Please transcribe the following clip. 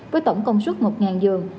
với tổng công suất một giường